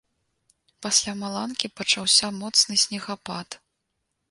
Пасля маланкі пачаўся моцны снегапад.